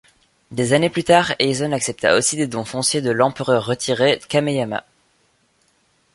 Des années plus tard, Eison accepta aussi des dons fonciers de l'Empereur retiré Kameyama.